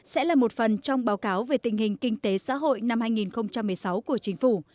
sẽ là một phần trong báo cáo về tình hình kinh tế xã hội năm hai nghìn một mươi sáu của chính phủ